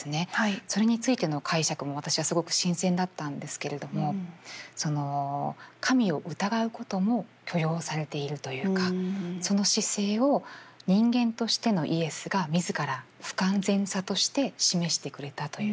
それについての解釈も私はすごく新鮮だったんですけれどもその神を疑うことも許容されているというかその姿勢を人間としてのイエスが自ら不完全さとして示してくれたというか。